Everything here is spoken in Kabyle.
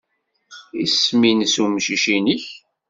Isem-nnes umcic-nnek?